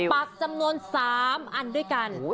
ปักจำนวน๓อันด้วยกัน